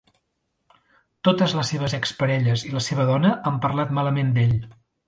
Totes les seves ex-parelles i la seva dona, han parlat malament d'ell.